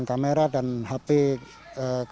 ketika mereka berkumpul mereka melihat karya mereka